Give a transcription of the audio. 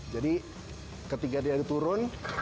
jadi ketika dia turun